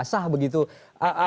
apakah kemudian ini akan berlaku